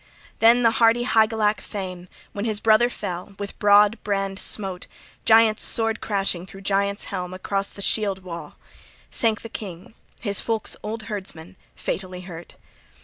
Then the hardy Hygelac thane, {39b} when his brother fell, with broad brand smote, giants' sword crashing through giants' helm across the shield wall: sank the king, his folk's old herdsman, fatally hurt.